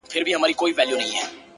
په خورا ویاړ ستاینه کوي